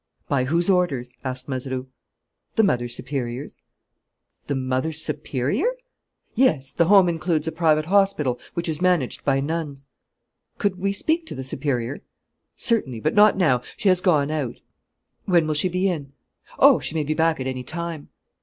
"By whose orders?" asked Mazeroux. "The mother superior's." "The mother superior?" "Yes, the home includes a private hospital, which is managed by nuns." "Could we speak to the superior?" "Certainly, but not now: she has gone out." "When will she be in?" "Oh, she may be back at any time!"